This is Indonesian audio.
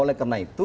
oleh karena itu